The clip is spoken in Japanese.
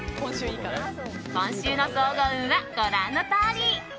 今週の総合運はご覧のとおり。